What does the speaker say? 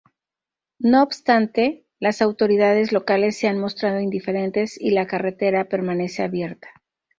No obstante, las autoridades locales se han mostrado indiferentes y la carretera permanece abierta.